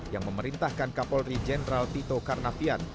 yang memerintahkan kapolri jenderal tito karnavian